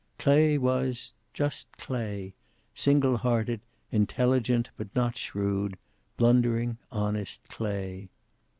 Clay was just Clay; single hearted, intelligent but not shrewd, blundering, honest Clay.